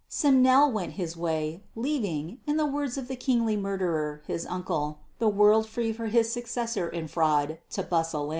Simnel went his way, leaving, in the words of the kingly murderer his uncle, the world free for his successor in fraud "to bustle in."